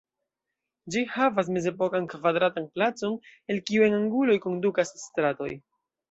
Ĝi havas mezepokan kvadratan placon, el kiu en anguloj kondukas stratoj.